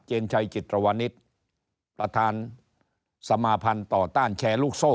ชัยจิตรวนิตประธานสมาพันธ์ต่อต้านแชร์ลูกโซ่